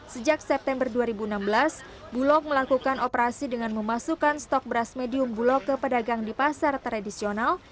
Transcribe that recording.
sejak september dua ribu enam belas bulog melakukan operasi dengan memasukkan stok beras medium bulog ke pedagang di pasar tradisional